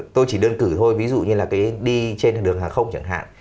tôi chỉ đơn cử thôi ví dụ như là cái đi trên đường hàng không chẳng hạn